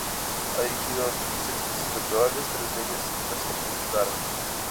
Ha dirigido seis tesis doctorales, tres de ellas escritas en euskara.